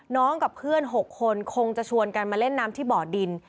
กับเพื่อน๖คนคงจะชวนกันมาเล่นน้ำที่บ่อดิน